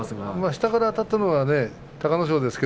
下からあたったのは隆の勝でした。